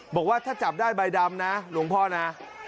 บอกว่าถ้าจับได้ใบดำนะหลวงพ่อนะ